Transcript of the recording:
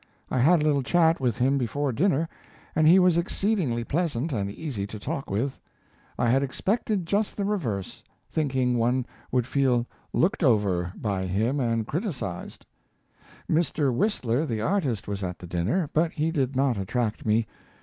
I had a little chat with him before dinner, and he was exceedingly pleasant and easy to talk with. I had expected just the reverse, thinking one would feel looked over by him and criticized. Mr. Whistler, the artist, was at the dinner, but he did not attract me.